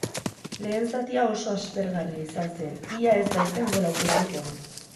Lehen zatia oso aspergarria izan zen ia ez baitzen gol aukerarik egon.